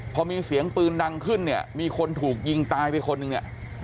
พอมีเสียงปืนดังขึ้นเนี่ยมีคนถูกยิงตายไปคนนึงเนี่ย